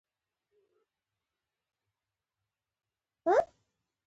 د کښتیو له قطار څخه تېر شوو.